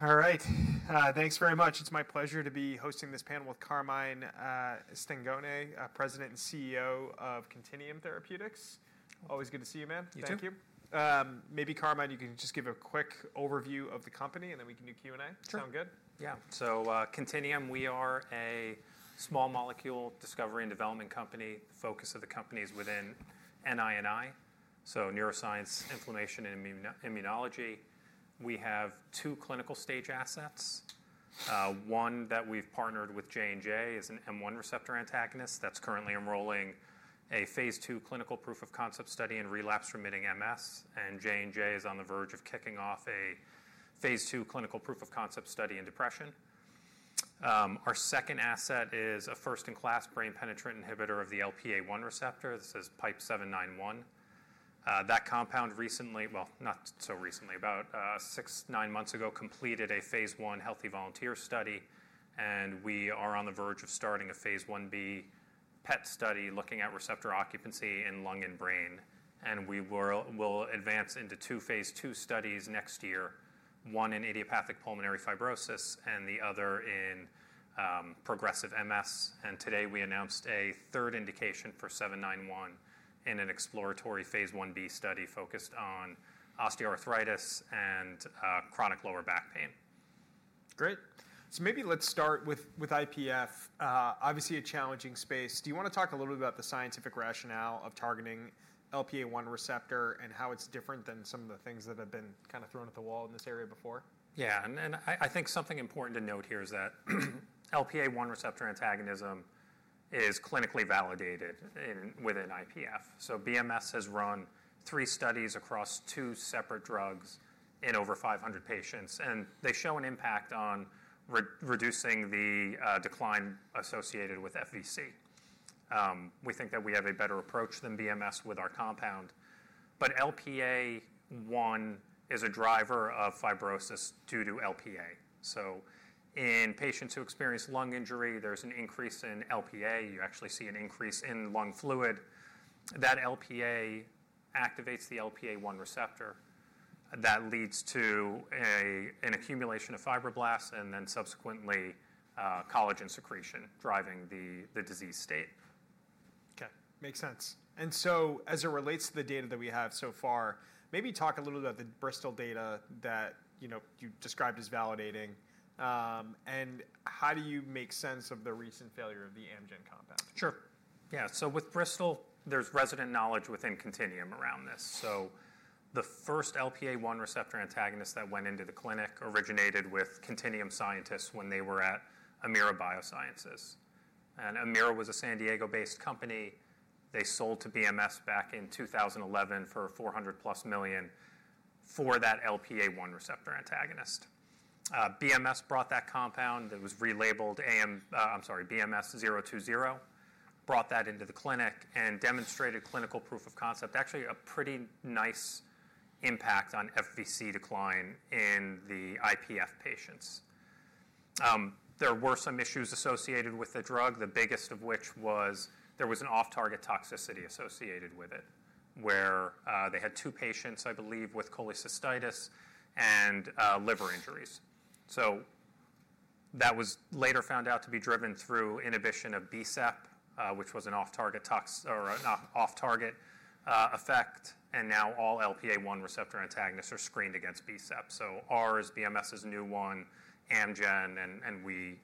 All right. Thanks very much. It's my pleasure to be hosting this panel with Carmine Stengone, President and CEO of Contineum Therapeutics. Always good to see you, man. Thank you. Maybe, Carmine, you can just give a quick overview of the company, and then we can do Q&A. Sound good? Sure. Yeah. So Contineum, we are a small molecule discovery and development company. Focus of the company is within NI&I, so neuroscience, inflammation, and immunology. We have two clinical stage assets. One that we've partnered with J&J is an M1 receptor antagonist that's currently enrolling a phase two clinical proof of concept study in relapsing-remitting MS. J&J is on the verge of kicking off a phase two clinical proof of concept study in depression. Our second asset is a first-in-class brain penetrant inhibitor of the LPA1 receptor. This is PIPE-791. That compound recently, well, not so recently, about six to nine months ago, completed a phase one healthy volunteer study. We are on the verge of starting a Phase 1b PET study looking at receptor occupancy in lung and brain. We will advance into two phase 2 studies next year, one in idiopathic pulmonary fibrosis and the other in progressive MS. Today we announced a third indication for 791 in an exploratory phase 1b study focused on osteoarthritis and chronic lower back pain. Great. So maybe let's start with IPF. Obviously, a challenging space. Do you want to talk a little bit about the scientific rationale of targeting LPA1 receptor and how it's different than some of the things that have been kind of thrown at the wall in this area before? Yeah. And I think something important to note here is that LPA1 receptor antagonism is clinically validated within IPF. So BMS has run three studies across two separate drugs in over 500 patients. And they show an impact on reducing the decline associated with FVC. We think that we have a better approach than BMS with our compound. But LPA1 is a driver of fibrosis due to LPA. So in patients who experience lung injury, there's an increase in LPA. You actually see an increase in lung fluid. That LPA activates the LPA1 receptor. That leads to an accumulation of fibroblasts and then subsequently collagen secretion driving the disease state. Okay. Makes sense. And so as it relates to the data that we have so far, maybe talk a little bit about the Bristol data that you described as validating. And how do you make sense of the recent failure of the Amgen compound? Sure. Yeah. So with Bristol, there's resident knowledge within Contineum around this. So the first LPA1 receptor antagonist that went into the clinic originated with Contineum scientists when they were at Amira Biosciences. And Amira was a San Diego-based company. They sold to BMS back in 2011 for $400+ million for that LPA1 receptor antagonist. BMS brought that compound. It was relabeled. I'm sorry, BMS-020 brought that into the clinic and demonstrated clinical proof of concept, actually a pretty nice impact on FVC decline in the IPF patients. There were some issues associated with the drug, the biggest of which was there was an off-target toxicity associated with it where they had two patients, I believe, with cholecystitis and liver injuries. So that was later found out to be driven through inhibition of BSEP, which was an off-target effect. And now all LPA1 receptor antagonists are screened against BSEP. So ours, BMS's new one, Amgen, and we,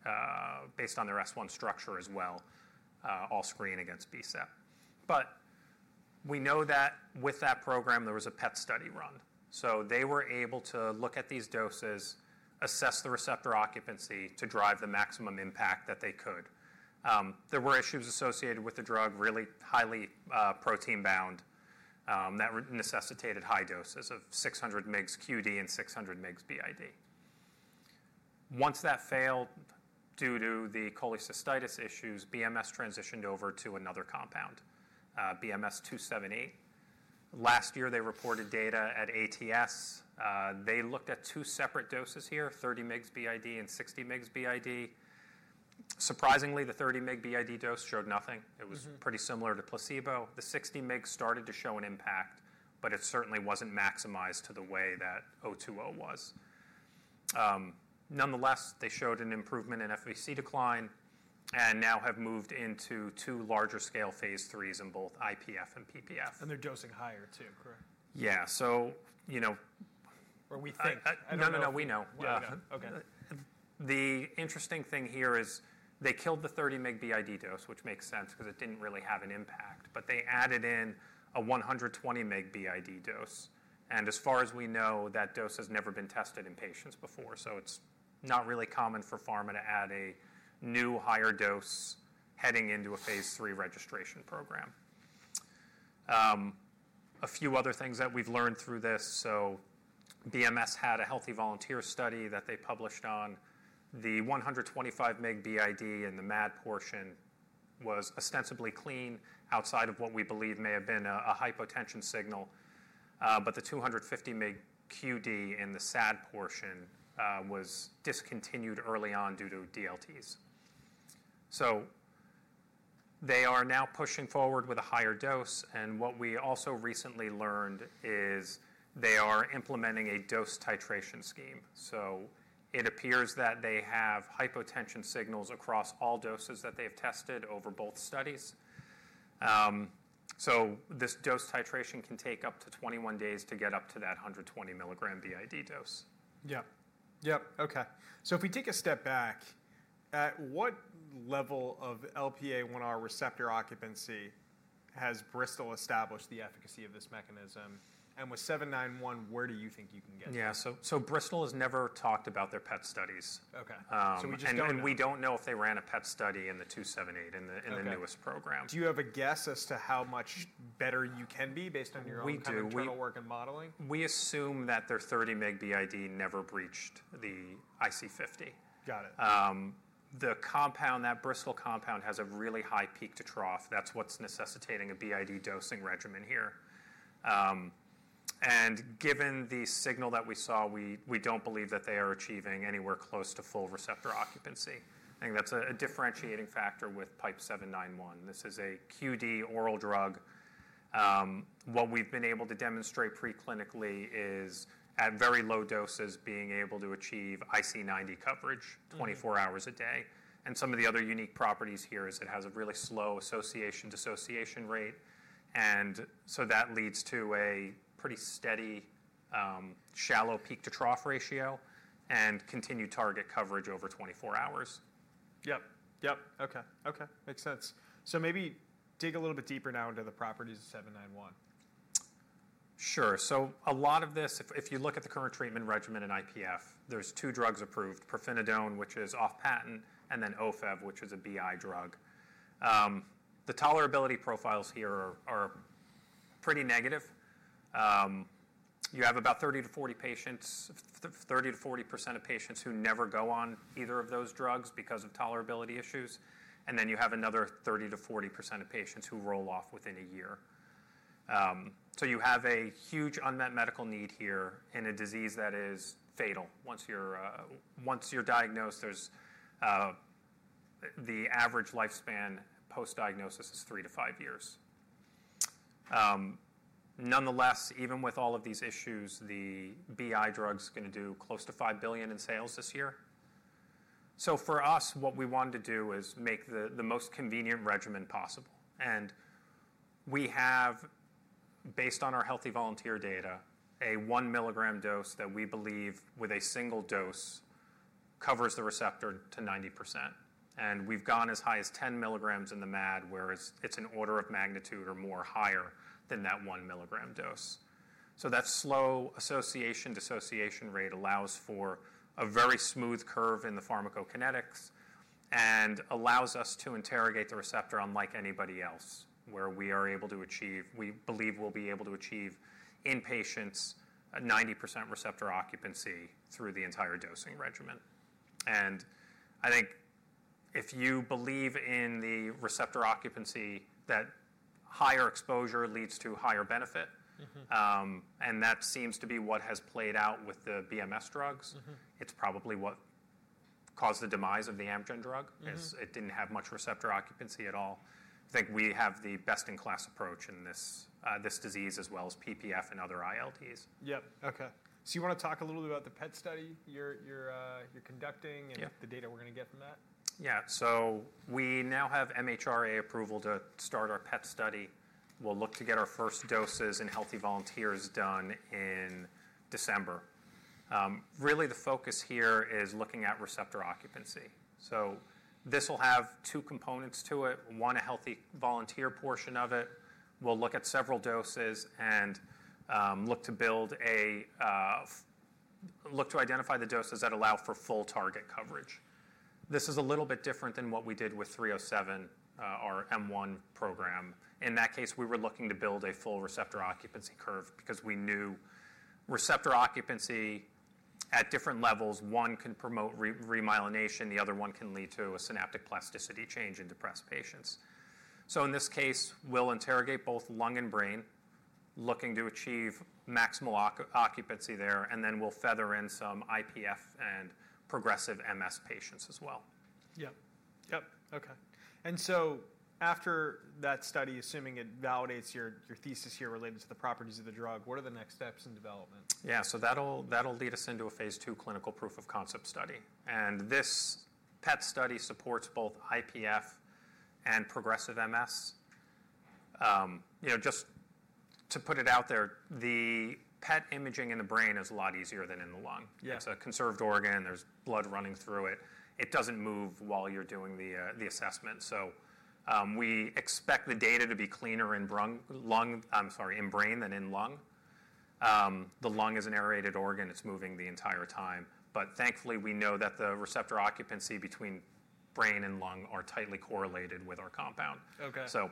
based on their S1 structure as well, all screen against BSEP. But we know that with that program, there was a PET study run. So they were able to look at these doses, assess the receptor occupancy to drive the maximum impact that they could. There were issues associated with the drug, really highly protein-bound, that necessitated high doses of 600 mg QD and 600 mg BID. Once that failed due to the cholecystitis issues, BMS transitioned over to another compound, BMS-278. Last year, they reported data at ATS. They looked at two separate doses here, 30 mg BID and 60 mg BID. Surprisingly, the 30 mg BID dose showed nothing. It was pretty similar to placebo. The 60 mg started to show an impact, but it certainly wasn't maximized to the way that 020 was. Nonetheless, they showed an improvement in FVC decline and now have moved into two larger-scale phase 3s in both IPF and PPF They're dosing higher too, correct? Yeah. So. Or we think. No, no, no, we know. Yeah. Okay. The interesting thing here is they killed the 30 mg BID dose, which makes sense because it didn't really have an impact, but they added in a 120 mg BID dose, and as far as we know, that dose has never been tested in patients before, so it's not really common for pharma to add a new higher dose heading into a phase three registration program. A few other things that we've learned through this. So BMS had a healthy volunteer study that they published on: the 125 mg BID in the MAD portion was ostensibly clean outside of what we believe may have been a hypotension signal, but the 250 mg QD in the SAD portion was discontinued early on due to DLTs, so they are now pushing forward with a higher dose, and what we also recently learned is they are implementing a dose titration scheme. So it appears that they have hypotension signals across all doses that they've tested over both studies. So this dose titration can take up to 21 days to get up to that 120 mg BID dose. Yeah. Yep. Okay. So if we take a step back, at what level of LPA1 receptor occupancy has Bristol established the efficacy of this mechanism? And with 791, where do you think you can get? Yeah. So Bristol has never talked about their PET studies. Okay. So we just don't. We don't know if they ran a PET study in the 278 in the newest program. Do you have a guess as to how much better you can be based on your own clinical work and modeling? We assume that their 30 mg BID never breached the IC50. Got it. The compound, that Bristol compound, has a really high peak to trough. That's what's necessitating a BID dosing regimen here, and given the signal that we saw, we don't believe that they are achieving anywhere close to full receptor occupancy. I think that's a differentiating factor with PIPE-791. This is a QD oral drug. What we've been able to demonstrate preclinically is at very low doses being able to achieve IC90 coverage 24 hours a day, and some of the other unique properties here is it has a really slow association-dissociation rate, and so that leads to a pretty steady shallow peak to trough ratio and continued target coverage over 24 hours. Yep. Okay. Makes sense. So maybe dig a little bit deeper now into the properties of 791. Sure. So a lot of this, if you look at the current treatment regimen in IPF, there's two drugs approved, pirfenidone, which is off-patent, and then Ofev, which is a BI drug. The tolerability profiles here are pretty negative. You have about 30%-40% of patients who never go on either of those drugs because of tolerability issues. And then you have another 30%-40% of patients who roll off within a year. So you have a huge unmet medical need here in a disease that is fatal. Once you're diagnosed, the average lifespan post-diagnosis is three to five years. Nonetheless, even with all of these issues, the BI drug's going to do close to $5 billion in sales this year. So for us, what we wanted to do is make the most convenient regimen possible. We have, based on our healthy volunteer data, a 1 mg dose that we believe, with a single dose, covers the receptor to 90%. We've gone as high as 10 mg in the MAD, where it's an order of magnitude or more higher than that 1 mg dose. That slow association-dissociation rate allows for a very smooth curve in the pharmacokinetics and allows us to interrogate the receptor unlike anybody else, where we are able to achieve, we believe we'll be able to achieve in patients 90% receptor occupancy through the entire dosing regimen. I think if you believe in the receptor occupancy that higher exposure leads to higher benefit, and that seems to be what has played out with the BMS drugs, it's probably what caused the demise of the Amgen drug, is it didn't have much receptor occupancy at all. I think we have the best-in-class approach in this disease as well as PPF and other ILDs. Yep. Okay. So you want to talk a little bit about the PET study you're conducting and the data we're going to get from that? Yeah. So we now have MHRA approval to start our PET study. We'll look to get our first doses in healthy volunteers done in December. Really, the focus here is looking at receptor occupancy. So this will have two components to it, one, a healthy volunteer portion of it. We'll look at several doses and look to identify the doses that allow for full target coverage. This is a little bit different than what we did with 307, our M1 program. In that case, we were looking to build a full receptor occupancy curve because we knew receptor occupancy at different levels, one can promote remyelination, the other one can lead to a synaptic plasticity change in depressed patients. So in this case, we'll interrogate both lung and brain, looking to achieve maximal occupancy there, and then we'll feather in some IPF and progressive MS patients as well. Yep. Yep. Okay. And so after that study, assuming it validates your thesis here related to the properties of the drug, what are the next steps in development? Yeah. So that'll lead us into a phase two clinical proof of concept study. And this PET study supports both IPF and progressive MS. Just to put it out there, the PET imaging in the brain is a lot easier than in the lung. It's a conserved organ. There's blood running through it. It doesn't move while you're doing the assessment. So we expect the data to be cleaner in brain than in lung. The lung is an aerated organ. It's moving the entire time. But thankfully, we know that the receptor occupancy between brain and lung are tightly correlated with our compound. So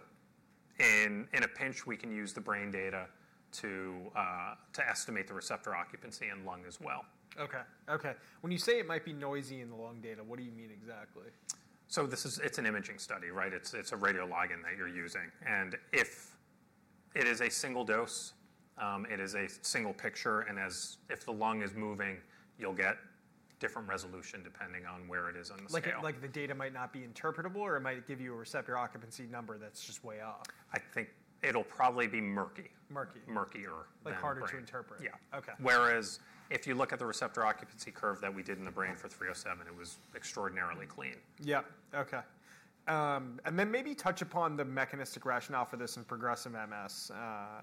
in a pinch, we can use the brain data to estimate the receptor occupancy in lung as well. Okay. Okay. When you say it might be noisy in the lung data, what do you mean exactly? So it's an imaging study, right? It's a radiology one that you're using. And if it is a single dose, it is a single picture. And if the lung is moving, you'll get different resolution depending on where it is on the scale. Like the data might not be interpretable or it might give you a receptor occupancy number that's just way off? I think it'll probably be murky. Murky. Murky or. Like harder to interpret. Yeah. Okay. Whereas if you look at the receptor occupancy curve that we did in the brain for 307, it was extraordinarily clean. Yep. Okay. And then maybe touch upon the mechanistic rationale for this in progressive MS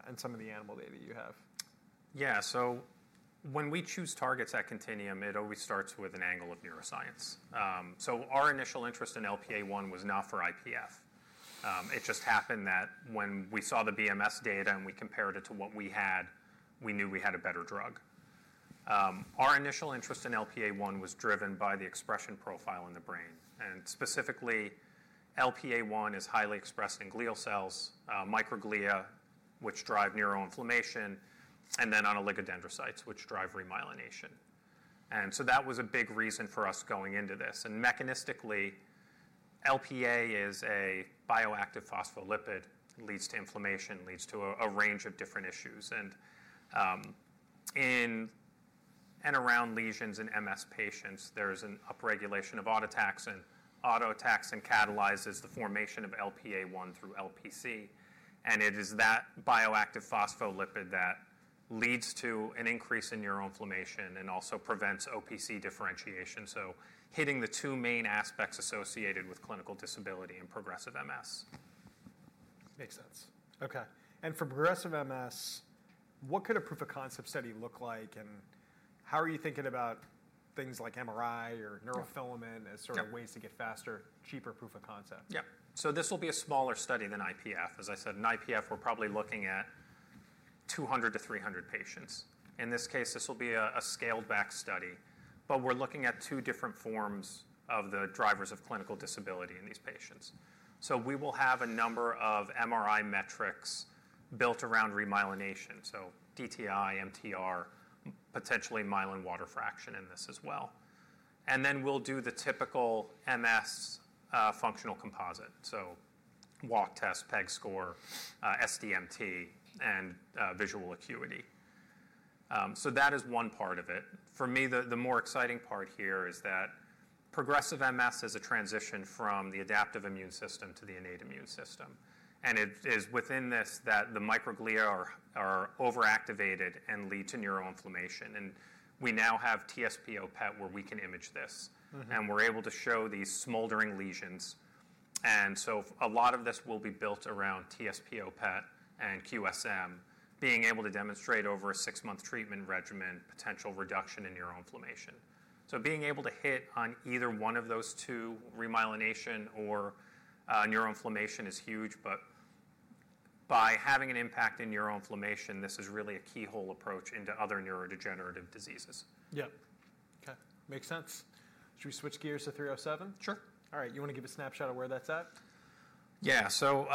and some of the animal data you have. Yeah. So when we choose targets at Contineum, it always starts with an angle of neuroscience. So our initial interest in LPA1 was not for IPF. It just happened that when we saw the BMS data and we compared it to what we had, we knew we had a better drug. Our initial interest in LPA1 was driven by the expression profile in the brain. And specifically, LPA1 is highly expressed in glial cells, microglia, which drive neuroinflammation, and then on oligodendrocytes, which drive remyelination. And so that was a big reason for us going into this. And mechanistically, LPA is a bioactive phospholipid. It leads to inflammation, leads to a range of different issues. And in and around lesions in MS patients, there is an upregulation of autotaxin, which catalyzes the formation of LPA from LPC. It is that bioactive phospholipid that leads to an increase in neuroinflammation and also prevents OPC differentiation. Hitting the two main aspects associated with clinical disability in progressive MS. Makes sense. Okay. And for progressive MS, what could a proof of concept study look like? And how are you thinking about things like MRI or neurofilament as sort of ways to get faster, cheaper proof of concept? Yep. So this will be a smaller study than IPF. As I said, in IPF, we're probably looking at 200 to 300 patients. In this case, this will be a scaled-back study, but we're looking at two different forms of the drivers of clinical disability in these patients. So we will have a number of MRI metrics built around remyelination. So DTI, MTR, potentially myelin water fraction in this as well. And then we'll do the typical MS functional composite. So walk test, peg score, SDMT, and visual acuity. So that is one part of it. For me, the more exciting part here is that progressive MS is a transition from the adaptive immune system to the innate immune system. And it is within this that the microglia are overactivated and lead to neuroinflammation. And we now have TSPO PET where we can image this. And we're able to show these smoldering lesions. And so a lot of this will be built around TSPO PET and QSM, being able to demonstrate over a six-month treatment regimen potential reduction in neuroinflammation. So being able to hit on either one of those two, remyelination or neuroinflammation, is huge. But by having an impact in neuroinflammation, this is really a keyhole approach into other neurodegenerative diseases. Yep. Okay. Makes sense. Should we switch gears to 307? Sure. All right. You want to give a snapshot of where that's at? Yeah. So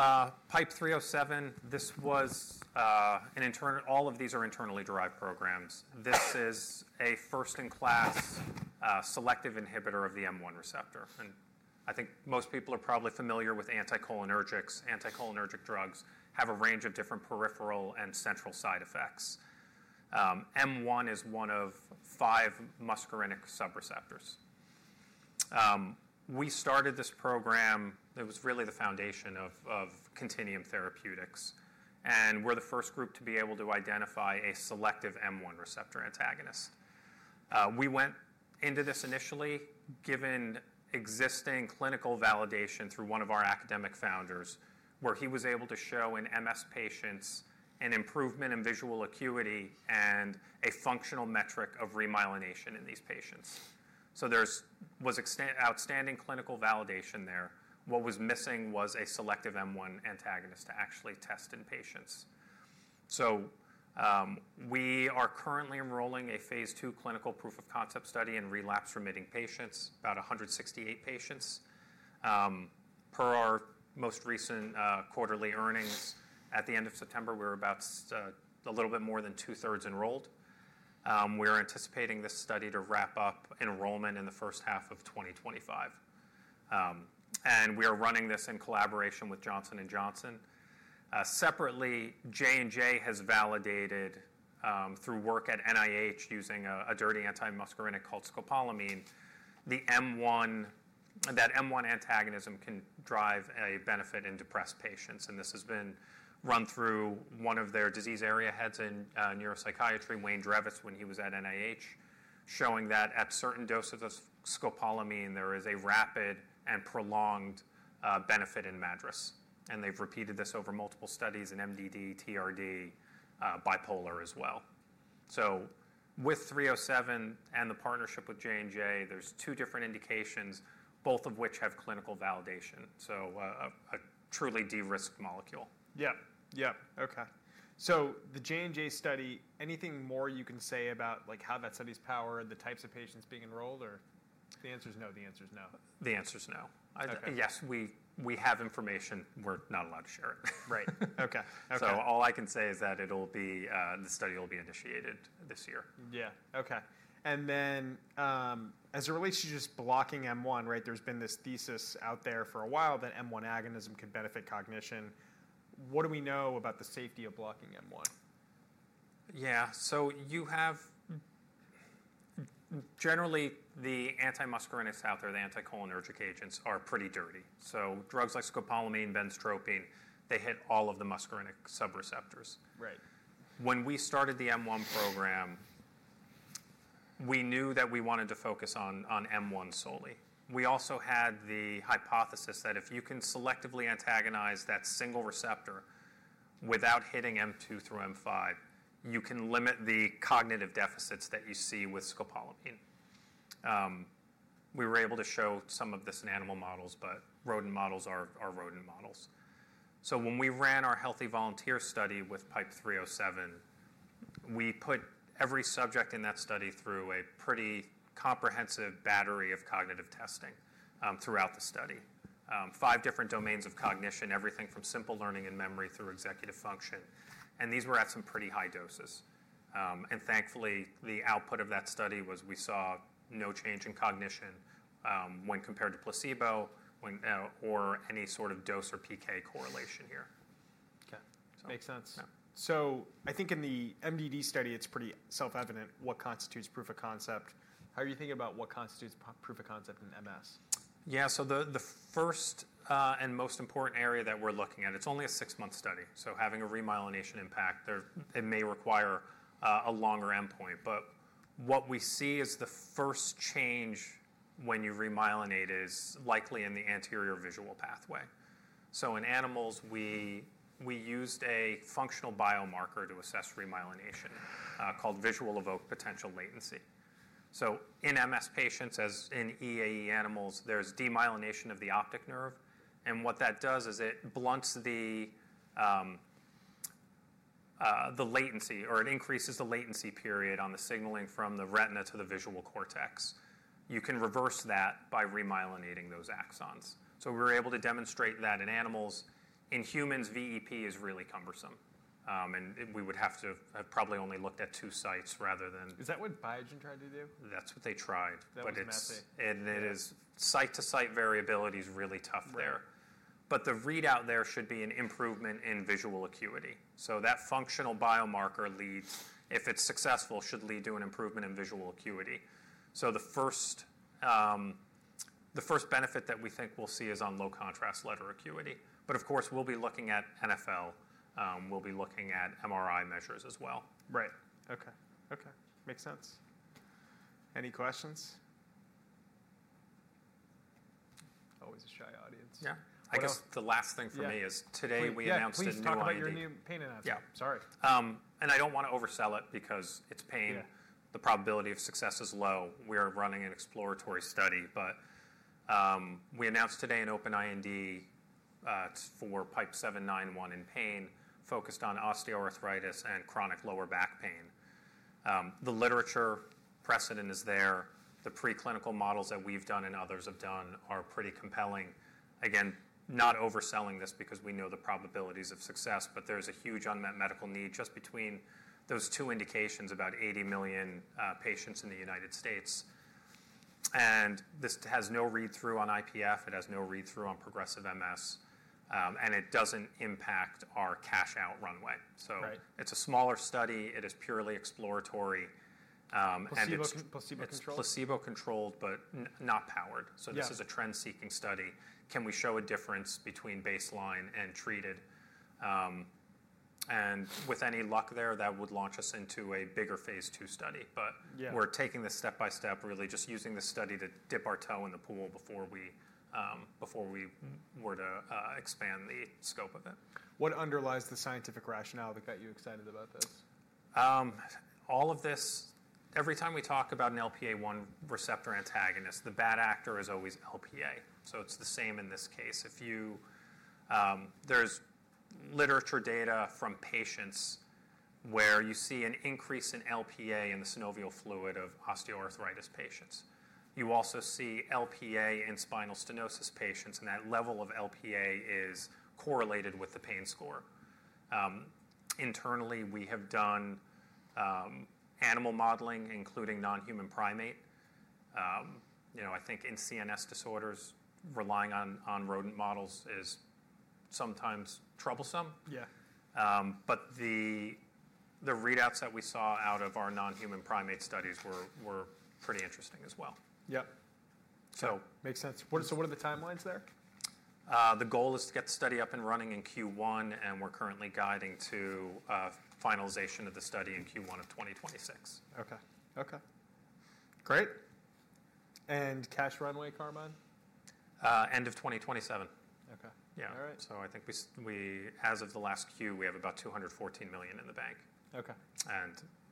PIPE-307, this was an internal, all of these are internally derived programs. This is a first-in-class selective inhibitor of the M1 receptor. And I think most people are probably familiar with anticholinergics. Anticholinergic drugs have a range of different peripheral and central side effects. M1 is one of five muscarinic subreceptors. We started this program, it was really the foundation of Contineum Therapeutics. And we're the first group to be able to identify a selective M1 receptor antagonist. We went into this initially given existing clinical validation through one of our academic founders, where he was able to show in MS patients an improvement in visual acuity and a functional metric of remyelination in these patients. So there was outstanding clinical validation there. What was missing was a selective M1 antagonist to actually test in patients. So we are currently enrolling a phase 2 clinical proof of concept study in relapsing-remitting patients, about 168 patients. Per our most recent quarterly earnings, at the end of September, we were about a little bit more than two-thirds enrolled. We are anticipating this study to wrap up enrollment in the first half of 2025. And we are running this in collaboration with J&J. Separately, J&J has validated through work at NIH using a dirty anti-muscarinic scopolamine, that M1 antagonism can drive a benefit in depressed patients. And this has been run through one of their disease area heads in neuropsychiatry, Wayne Drevets, when he was at NIH, showing that at certain doses of scopolamine, there is a rapid and prolonged benefit in MDDs. And they've repeated this over multiple studies in MDD, TRD, bipolar as well. So with 307 and the partnership with J&J, there's two different indications, both of which have clinical validation. So a truly de-risked molecule. Yep. Yep. Okay. So the J&J study, anything more you can say about how that study's power, the types of patients being enrolled, or the answer's no, the answer's no? The answer's no. Yes, we have information. We're not allowed to share it. Right. Okay. Okay. All I can say is that the study will be initiated this year. Yeah. Okay. And then as it relates to just blocking M1, right, there's been this thesis out there for a while that M1 agonism could benefit cognition. What do we know about the safety of blocking M1? Yeah. So you have generally the anti-muscarinics out there. The anticholinergic agents are pretty dirty. So drugs like scopolamine, benztropine, they hit all of the muscarinic subreceptors. Right. When we started the M1 program, we knew that we wanted to focus on M1 solely. We also had the hypothesis that if you can selectively antagonize that single receptor without hitting M2 through M5, you can limit the cognitive deficits that you see with scopolamine. We were able to show some of this in animal models, but rodent models are rodent models. So when we ran our healthy volunteer study with PIPE-307, we put every subject in that study through a pretty comprehensive battery of cognitive testing throughout the study, five different domains of cognition, everything from simple learning and memory through executive function. And these were at some pretty high doses. And thankfully, the output of that study was we saw no change in cognition when compared to placebo or any sort of dose or PK correlation here. Okay. Makes sense. So I think in the MDD study, it's pretty self-evident what constitutes proof of concept. How are you thinking about what constitutes proof of concept in MS? Yeah. So the first and most important area that we're looking at, it's only a six-month study. So having a remyelination impact, it may require a longer endpoint. But what we see is the first change when you remyelinate is likely in the anterior visual pathway. So in animals, we used a functional biomarker to assess remyelination called visual evoked potential latency. So in MS patients, as in EAE animals, there's demyelination of the optic nerve. And what that does is it blunts the latency or it increases the latency period on the signaling from the retina to the visual cortex. You can reverse that by remyelinating those axons. So we were able to demonstrate that in animals. In humans, VEP is really cumbersome. And we would have to have probably only looked at two sites rather than. Is that what Biogen tried to do? That's what they tried. That looks messy. Site-to-site variability is really tough there, but the readout there should be an improvement in visual acuity, so that functional biomarker leads, if it's successful, should lead to an improvement in visual acuity. The first benefit that we think we'll see is on low-contrast letter acuity. Of course, we'll be looking at NfL. We'll be looking at MRI measures as well. Right. Okay. Okay. Makes sense. Any questions? Always a shy audience. Yeah. I guess the last thing for me is today we announced a new IND. You're talking about your new pain announcement. Yeah. Sorry. And I don't want to oversell it because it's pain. The probability of success is low. We are running an exploratory study. But we announced today an open IND for PIPE-791 in pain focused on osteoarthritis and chronic lower back pain. The literature precedent is there. The preclinical models that we've done and others have done are pretty compelling. Again, not overselling this because we know the probabilities of success, but there's a huge unmet medical need just between those two indications about 80 million patients in the United States. And this has no read-through on IPF. It has no read-through on progressive MS. And it doesn't impact our cash-out runway. So it's a smaller study. It is purely exploratory. Placebo-controlled? Placebo-controlled, but not powered. So this is a trend-seeking study. Can we show a difference between baseline and treated? And with any luck there, that would launch us into a bigger phase two study. But we're taking this step by step, really just using this study to dip our toe in the pool before we were to expand the scope of it. What underlies the scientific rationale that got you excited about this? All of this, every time we talk about an LPA1 receptor antagonist, the bad actor is always LPA, so it's the same in this case. There's literature data from patients where you see an increase in LPA in the synovial fluid of osteoarthritis patients. You also see LPA in spinal stenosis patients, and that level of LPA is correlated with the pain score. Internally, we have done animal modeling, including non-human primate. I think in CNS disorders, relying on rodent models is sometimes troublesome, but the readouts that we saw out of our non-human primate studies were pretty interesting as well. Yep. Makes sense. So what are the timelines there? The goal is to get the study up and running in Q1, and we're currently guiding to finalization of the study in Q1 of 2026. Okay. Okay. Great. And cash runway, Carmine? End of 2027. Okay. All right. Yeah. I think we, as of the last Q, have about $214 million in the bank.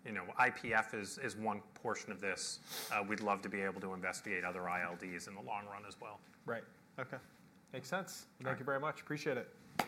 IPF is one portion of this. We'd love to be able to investigate other ILDs in the long run as well. Right. Okay. Makes sense. Thank you very much. Appreciate it.